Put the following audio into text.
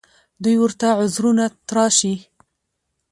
دوی ورته عذرونه تراشي